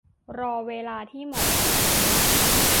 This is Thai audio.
รอเวลาที่เหมาะสม